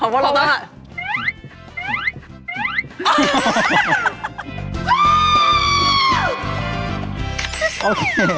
เพราะว่าเล่าเต๊อร์